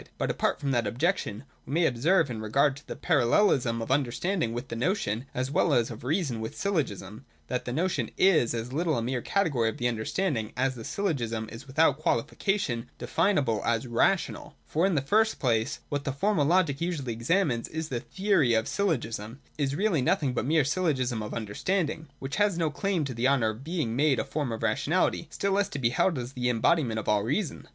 But apart from that objection, we may observe in regard to the parallelism of understanding with the notion, as well as of reason with syllogism, that the notion is as little a mere category of the understanding as the syllogism is without qualification definable as rational. For, in the first place, what the Formal Logic usually examines in its theory of syllogism, is really nothing but the mere syllogism of understanding, which has no claim to the honour of being made a form of rationality, still less to be held as the em bodiment of all reason.